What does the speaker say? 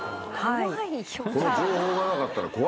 この情報がなかったら怖いね。